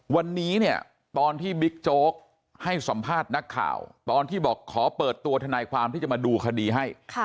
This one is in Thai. วันนี้เนี่ยตอนที่บิ๊กโจ๊กให้สัมภาษณ์นักข่าวตอนที่บอกขอเปิดตัวทนายความที่จะมาดูคดีให้